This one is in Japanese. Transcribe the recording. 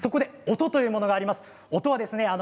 音というものがあります。